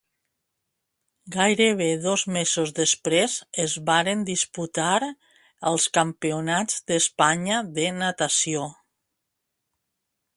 Gairebé dos mesos després es varen disputar els Campionats d'Espanya de natació.